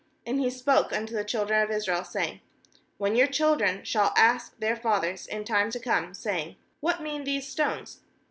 aAnd he spoke unto the children of Israel, saying: 'When your children shall ask their fathers in tune to come, saying: What mean these stones?